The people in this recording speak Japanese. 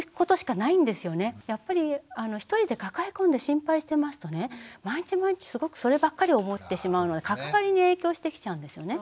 やっぱり一人で抱え込んで心配してますとね毎日毎日すごくそればっかり思ってしまうので関わりに影響してきちゃうんですよね。